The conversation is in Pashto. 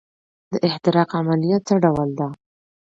د احتراق عملیه څه ډول ده.